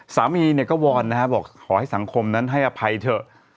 สามีก็วอนบอกขอให้สังคมนั้นให้อภัยเถอะ